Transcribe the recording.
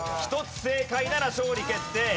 １つ正解なら勝利決定。